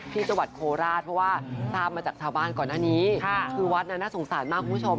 ที่จังหวัดโคราชเพราะว่าทราบมาจากชาวบ้านก่อนหน้านี้คือวัดนั้นน่าสงสารมากคุณผู้ชม